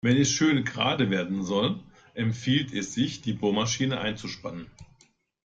Wenn es schön gerade werden soll, empfiehlt es sich, die Bohrmaschine einzuspannen.